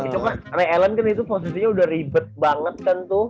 coba real ellen kan itu posisinya udah ribet banget kan tuh